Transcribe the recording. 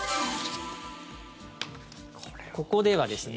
ここではですね